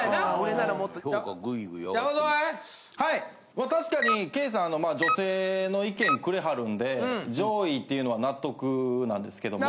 まあ確かにケイさん女性の意見くれはるんで上位っていうのは納得なんですけども。